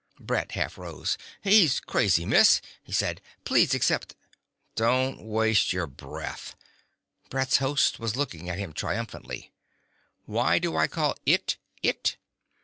Brett half rose. "He's crazy, miss," he said. "Please accept " "Don't waste your breath." Brett's host was looking at him triumphantly. "Why do I call it 'it'?"